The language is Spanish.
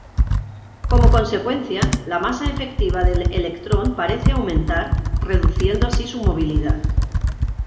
Como consecuencia, la masa efectiva del electrón parece aumentar, reduciendo así su movilidad.